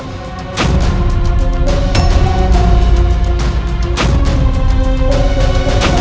dan kau putri kurarasan